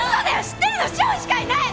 知ってるの志法しかいない！